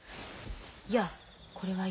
「いやこれはいい。